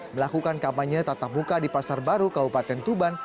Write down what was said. melakukan kampanye tatap muka di pasar baru kabupaten tuban